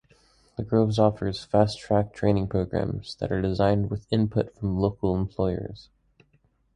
The Groves offers fast-track training programs that are designed with input from local employers.